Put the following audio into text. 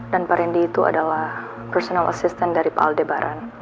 dan pak rendy itu adalah personal assistant dari pak aldebaran